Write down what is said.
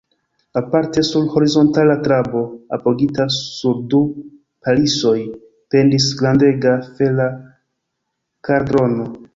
Aparte sur horizontala trabo, apogita sur du palisoj, pendis grandega fera kaldrono.